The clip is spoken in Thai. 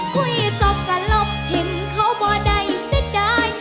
คุยจบกันรบเห็นเค้าบ่ได้เสียดาย